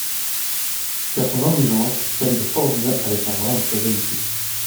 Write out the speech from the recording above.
Car son obligeance s'alliait fort bien avec un brin de curiosité.